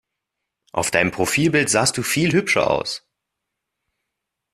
Auf deinem Profilbild sahst du viel hübscher aus!